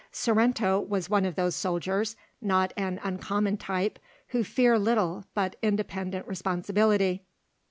Sorrento was one of those soldiers, not an uncommon type, who fear little but independent responsibility.